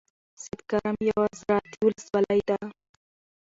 سیدکرم یوه زرعتی ولسوالۍ ده.